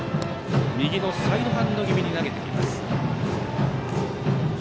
右のサイドハンド気味に投げてきます。